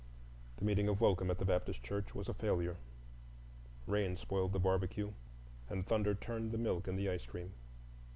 The meeting of welcome at the Baptist Church was a failure. Rain spoiled the barbecue, and thunder turned the milk in the ice cream.